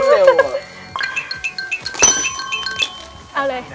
เอาเลย